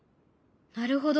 なるほど。